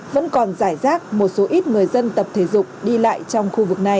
vẫn còn giải rác một số ít người dân tập thể dục đi lại trong khu vực này